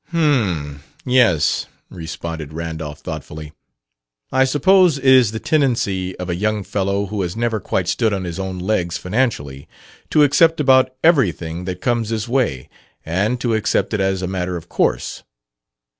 "H'm, yes," responded Randolph thoughtfully. "I suppose it is the tendency of a young fellow who has never quite stood on his own legs financially to accept about everything that comes his way, and to accept it as a matter of course."